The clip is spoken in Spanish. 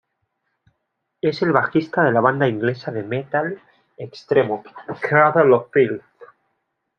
Es el bajista de la banda inglesa de metal extremo Cradle of Filth.